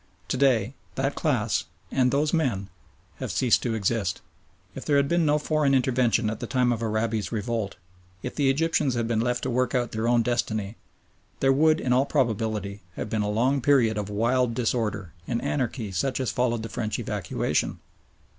To day that class, and those men, have ceased to exist. If there had been no foreign intervention at the time of Arabi's revolt, if the Egyptians had been left to work out their own destiny, there would in all probability have been a long period of wild disorder and anarchy such as followed the French evacuation.